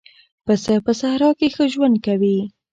پسه په صحرا کې ښه ژوند کوي.